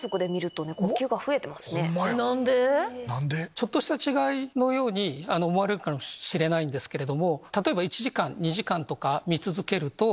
ちょっとした違いのように思われるかもしれないですけど。